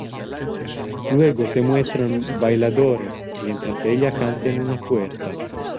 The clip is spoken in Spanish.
Luego se muestran bailadores mientras ella canta en una puerta.